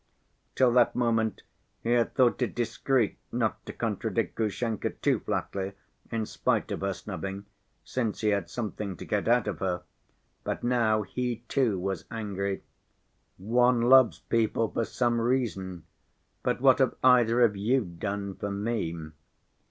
Till that moment he had thought it discreet not to contradict Grushenka too flatly in spite of her snubbing, since he had something to get out of her. But now he, too, was angry: "One loves people for some reason, but what have either of you done for me?"